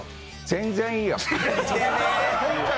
全然いいよ。